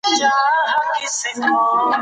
د ده په عصر کې روحاني او اخلاقي موضوعات ډېر وو.